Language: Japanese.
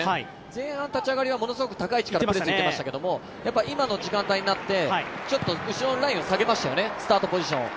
前半、立ち上がりはものすごい高い位置からきていましたけど今の時間帯になって、ちょっと後ろのラインを下げましたよね、スターティングポジションを。